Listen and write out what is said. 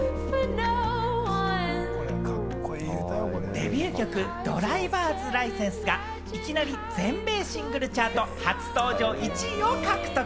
デビュー曲『ｄｒｉｖｅｒｓｌｉｃｅｎｓｅ』がいきなり全米シングルチャート初登場１位を獲得。